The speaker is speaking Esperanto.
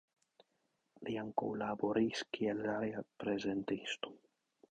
Li ankaŭ laboris kiel radia prezentisto.